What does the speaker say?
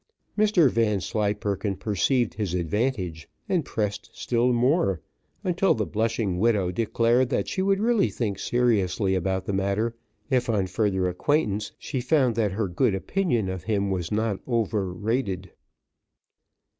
Mr Vanslyperken perceived his advantage, and pressed still more, until the blushing widow declared that she would really think seriously about the matter, if on further acquaintance she found that her good opinion of him was not overrated.